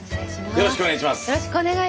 よろしくお願いします。